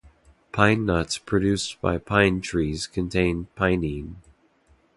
Pine nuts produced by pine trees contain pinene.